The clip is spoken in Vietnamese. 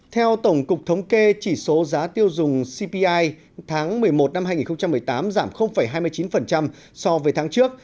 theo tổng cục thống kê chỉ số giá tiêu dùng cpi tháng một mươi một năm hai nghìn một mươi tám giảm hai mươi chín so với tháng trước